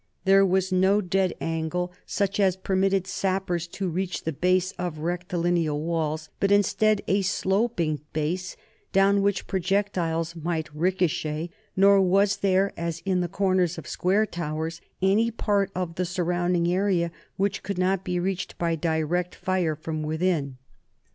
There was no dead angle, NORMANDY AND FRANCE 135 such as permitted sappers to reach the base of rectilinear walls, but instead a sloping base down which projectiles might ricochet ; nor was there, as at the corners of square towers, any part of the surrounding area which could not be reached by direct fire from within.